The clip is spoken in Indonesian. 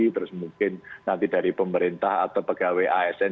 terus mungkin nanti dari pemerintah atau pegawai asn